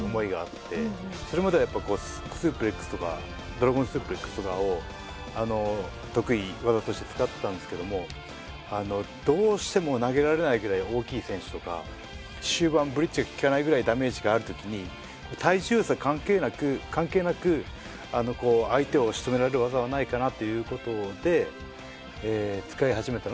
それまではスープレックスとかドラゴン・スープレックスとかを得意技として使ってたんですけどもどうしても投げられないぐらい大きい選手とか終盤ブリッジが効かないぐらいダメージがある時に体重差関係なく関係なく相手を仕留められる技はないかなっていう事で。